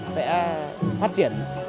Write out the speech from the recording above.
sẽ phát triển